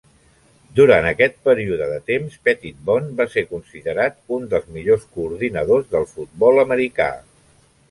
Durant aquest període de temps, Petitbon va ser considerat un dels millors coordinadors del futbol americà.